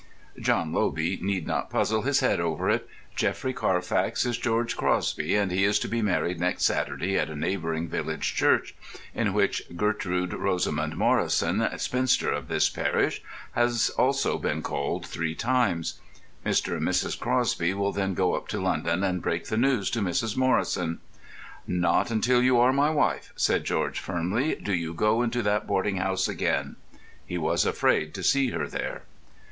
John Lobey need not puzzle his head over it. Geoffrey Carfax is George Crosby, and he is to be married next Saturday at a neighbouring village church, in which "Gertrude Rosamund Morrison, spinster, of this parish," has also been called three times. Mr. and Mrs. Crosby will then go up to London and break the news to Mrs. Morrison. "Not until you are my wife," said George firmly, "do you go into that boarding house again." He was afraid to see her there.